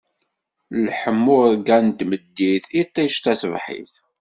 Leḥmuṛegga n tmeddit, iṭij taṣebḥit!